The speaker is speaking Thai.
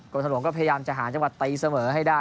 ทางหลวงก็พยายามจะหาจังหวัดตีเสมอให้ได้